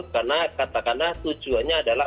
karena katakanlah tujuannya adalah